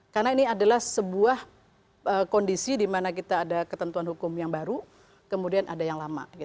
karena ini adalah sebuah kondisi dimana kita ada ketentuan hukum yang baru kemudian ada yang lama